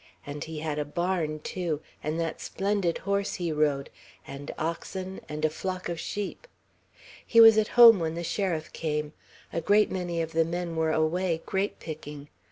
And he had a barn too, and that splendid horse he rode, and oxen, and a flock of sheep. He was at home when the sheriff came. A great many of the men were away, grapepicking.